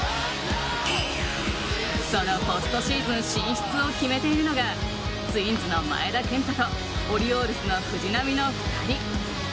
そのポストシーズン進出を決めているのがツインズの前田健太とオリオールズの藤浪の２人。